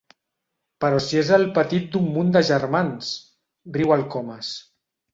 Però si és el petit d'un munt de germans! —riu el Comas.